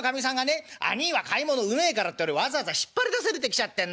『兄いは買い物うめえから』ってわざわざ引っ張り出されてきちゃってんだよ。